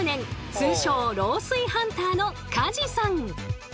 通称漏水ハンターの梶さん。